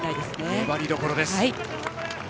粘りどころです。